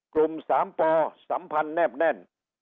กลุ่ม๓ปสัมพันธ์แนบแน่น